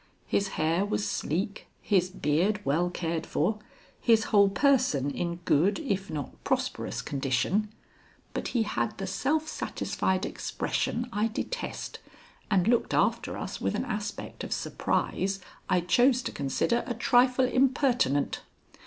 His hair was sleek, his beard well cared for, his whole person in good if not prosperous condition, but he had the self satisfied expression I detest, and looked after us with an aspect of surprise I chose to consider a trifle impertinent.